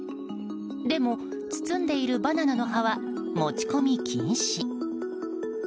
でも、包んでいるバナナの葉は持ち込み禁止。